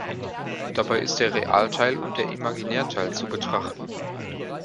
Dabei ist der Realteil und der Imaginärteil zu betrachten.